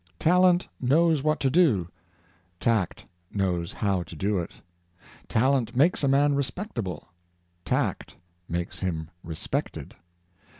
Talent knows what to do; tact knows how to do it. Talent makes a man respectable; tact makes him respected.